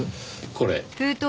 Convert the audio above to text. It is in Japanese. これ。